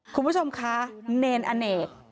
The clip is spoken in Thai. คุณผู้ชมคะเนรอเนก